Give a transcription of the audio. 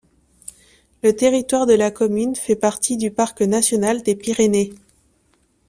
Le territoire de la commune fait partie du parc national des Pyrénées.